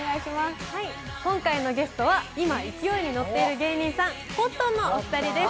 今回のゲストは今、勢いに乗ってる芸人さん、コットンのお二人です。